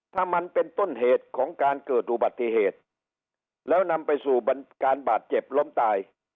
ถ้ามันเป็นต้นเหตุของการเกิดอุบัติเหตุแล้วนำไปสู่การบาดเจ็บล้มตาย